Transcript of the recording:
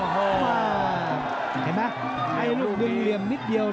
เห็นไหมให้ลูกดึงเหลี่ยนนิดจะเยอะนะ